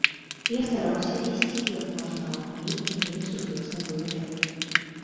Я стараўся ісці як можна раўней і мець сур'ёзны выгляд.